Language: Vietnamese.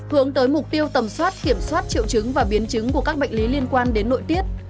hướng tới mục tiêu tầm soát kiểm soát triệu chứng và biến chứng của các bệnh lý liên quan đến nội tiết